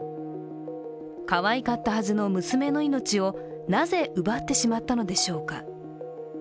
かわいかったはずの娘の命をなぜ奪ってしまったのでしょうか。